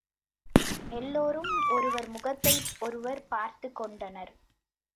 எல்லோரும் ஒருவர் முகத்தை ஒருவர் பார்த்துக் கொண்டனர்.